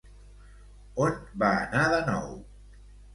On va anar de nou?